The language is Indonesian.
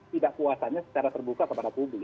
tidak puasanya secara terbuka kepada publik